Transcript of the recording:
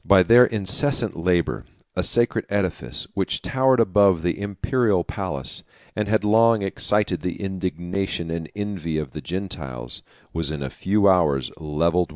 By their incessant labor, a sacred edifice, which towered above the Imperial palace, and had long excited the indignation and envy of the Gentiles, was in a few hours levelled with the ground.